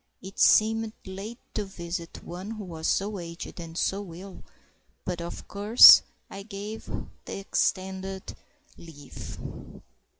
It seemed late to visit one who was so aged and so ill, but, of course, I gave the extended leave.